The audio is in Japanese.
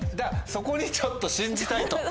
そこにちょっと信じたいと？